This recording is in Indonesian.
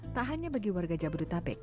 tak hanya bagi warga jabodetabek